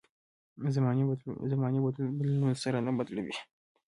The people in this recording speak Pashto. زمانې بدلونونو سره نه بدلېږي.